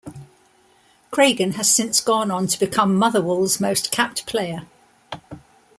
Craigan has since gone on to become Motherwell's most capped player.